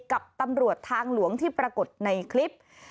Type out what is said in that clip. กับตำรวจทางหลวงที่ปรากฏในคลิป